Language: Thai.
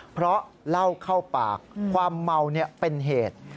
เพราะเหล้าเข้าปากความเมาเป็นเหตุ